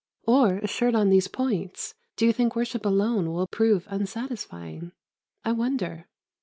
Or, assured on these points, do you think worship alone will prove unsatisfying? I wonder.